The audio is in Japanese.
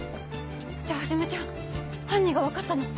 じゃあはじめちゃん犯人が分かったの？